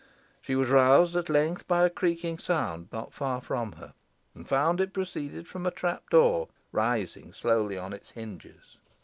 She was roused at length by a creaking sound not far from her, and found it proceeded from a trapdoor rising slowly on its hinges.